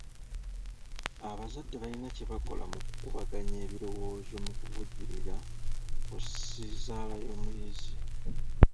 Abazadde balina kye bakola mu kukubaganya ebirowoozo mu kuvujjirira ku sizaala y'omuyizi.